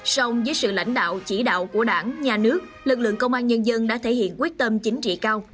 sông dưới sự lãnh đạo chỉ đạo của đảng nhà nước lực lượng công an nhân dân đã thể hiện quyết tâm chính trị cao